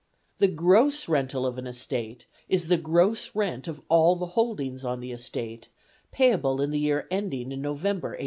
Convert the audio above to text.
The gross rental of an estate is the gross rent of all the holdings on the estate, payable in the year ending in November, 1885.